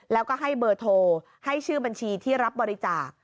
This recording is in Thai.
แล้วก็ให้เบอร์โทรให้ชื่อบัญชีที่รับบริจาค